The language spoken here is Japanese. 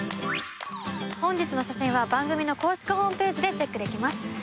本日の写真は番組の公式ホームページでチェックできます。